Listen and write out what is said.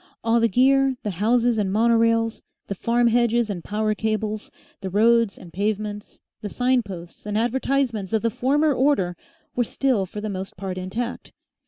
All the gear, the houses and mono rails, the farm hedges and power cables, the roads and pavements, the sign posts and advertisements of the former order were still for the most part intact.